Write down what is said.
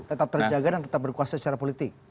tetap terjaga dan tetap berkuasa secara politik